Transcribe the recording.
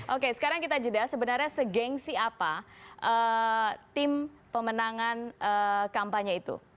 oke sekarang kita jeda sebenarnya segengsi apa tim pemenangan kampanye itu